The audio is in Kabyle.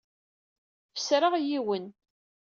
Fesreɣ yiwen.